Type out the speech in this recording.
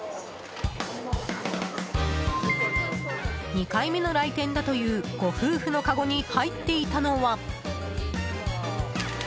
２回目の来店だというご夫婦のかごに入っていたのは。